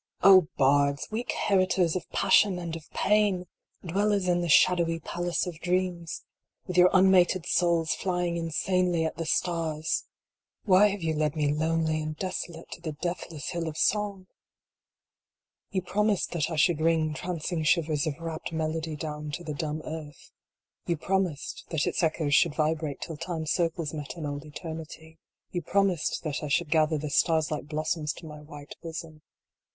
" f~\ BARDS ! weak heritors of passion and of pain ! Dwellers in the shadowy Palace of Dreams ! With your unmated souls flying insanely at the stars ! Why have you led me lonely and desolate to the Death less Hill of Song ? You promised that I should ring trancing shivers of rapt melody down to the dumb earth. You promised that its echoes should vibrate till Time s circles met in old Eternity. You promised that I should gather the stars like blos soms to my white bosom.